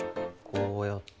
こうやって。